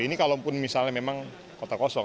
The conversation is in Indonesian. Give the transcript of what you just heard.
ini kalaupun misalnya memang kota kosong